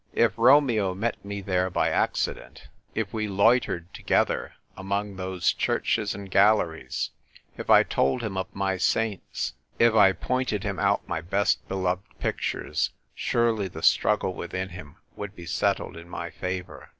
If Romeo met me there by accident — if we loitered together among those churches and galleries — if I told him of my saints, if I pointed him out my best beloved pictures, surely the struggle within him would be settled in my favour.